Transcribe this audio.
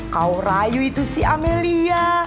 kau rayu itu si amelia